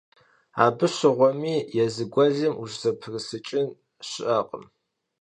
Abı şığuemi yêzı guelım vuş'ızeprıç'ın şı'ekhım.